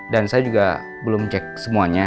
dan saya juga belum cek semuanya